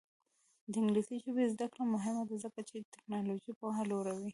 د انګلیسي ژبې زده کړه مهمه ده ځکه چې تکنالوژي پوهه لوړوي.